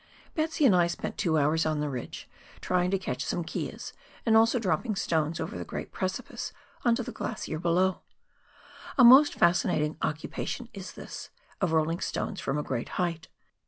" Betsy " and I spent two hours on the ridge, trying to catch some keas, and also dropping stones over the great precipice on to the glacier below. A most fascinating occupation is this, of rolling stones from a great height.